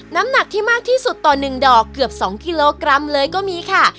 น้ำหนักที่มากที่สุดต่อ๑ดอกเกือบ๒กิโลกรัมเลยก็มีค่ะ